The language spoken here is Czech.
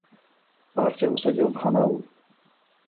Pár se usadil v Hanau.